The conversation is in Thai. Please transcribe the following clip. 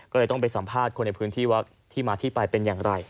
ก็เลยต้องไปสัมภาษณ์คนในพื้นที่ว่าที่มาที่ไปเป็นอย่างไร